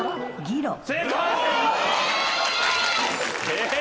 えっ？